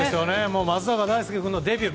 松坂大輔君のデビュー